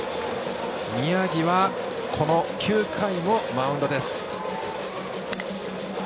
宮城はこの９回もマウンドです。